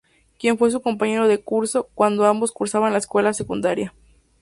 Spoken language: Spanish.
Quien fue su compañero de curso, cuando ambos cursaban la escuela secundaria.